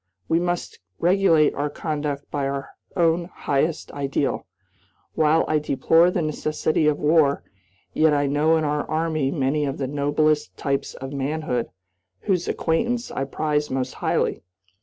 We must regulate our conduct by our own highest ideal. While I deplore the necessity of war, yet I know in our Army many of the noblest types of manhood, whose acquaintance I prize most highly.